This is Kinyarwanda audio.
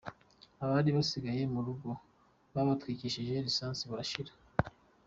Abari basigaye mu rugo babatwikishije lisansi barashira.